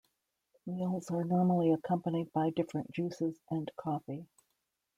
Meals are normally accompanied by different juices and coffee.